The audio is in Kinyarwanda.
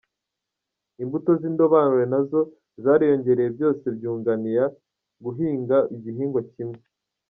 Imbuto z’indobanure nazo zariyongereye byose byungania guhinga igihingwa kimwe.